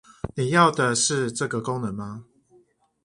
你要的是這個功能嗎？